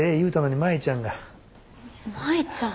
舞ちゃん。